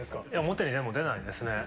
表にもう出ないですね。